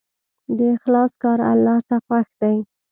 د اخلاص کار الله ته خوښ دی.